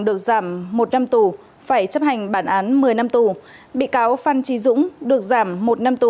được giảm một năm tù phải chấp hành bản án một mươi năm tù bị cáo phan trí dũng được giảm một năm tù